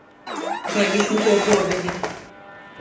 Baigi šmukuo buobeņa.